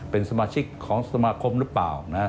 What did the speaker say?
เป็นสมาชิกของสมาคมหรือเปล่า